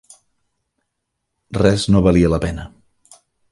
Res no valia la pena.